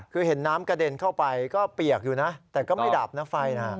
คือเห็นน้ำกระเด็นเข้าไปก็เปียกอยู่นะแต่ก็ไม่ดับนะไฟนะ